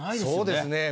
そうですね。